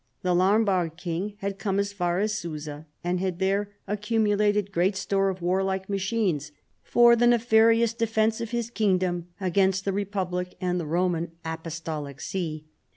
The Lombard king had come as far as Susa and had there accumulated great store of warlike machines, " for the nefarious defence of his kingdom against the republic and the Roman Apostolic see."